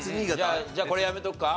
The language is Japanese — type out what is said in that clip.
じゃあこれやめとくか？